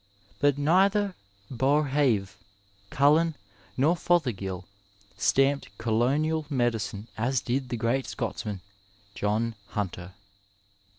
But neither Boerhaave, Collen nor Fothergill stamped colonial medicine as did the great Scotsman, John Hunter.